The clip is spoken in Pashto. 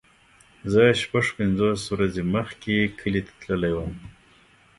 زه شپږ پنځوس ورځې مخکې کلی ته تللی وم.